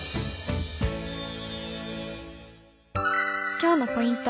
今日のポイント